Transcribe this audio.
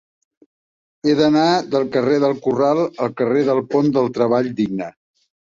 He d'anar del carrer del Corral al carrer del Pont del Treball Digne.